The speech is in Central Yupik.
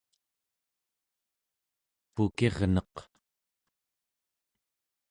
pukirneq